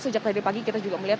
sejak tadi pagi kita juga melihat